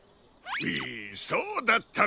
そうだったのか！